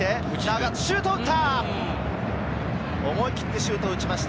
シュートを打った！